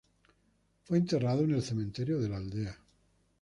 Fue enterrado en el cementerio de la aldea.